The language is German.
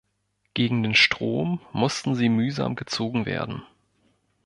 Gegen den Strom mussten sie mühsam gezogen werden.